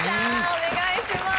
お願いしまーす